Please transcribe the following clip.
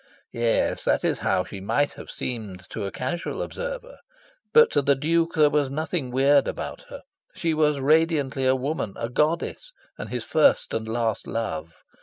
Yes, that is how she might have seemed to a casual observer. But to the Duke there was nothing weird about her: she was radiantly a woman; a goddess; and his first and last love.